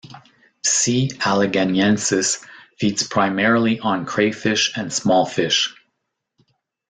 "C. alleganiensis" feeds primarily on crayfish and small fish.